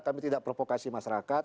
kami tidak provokasi masyarakat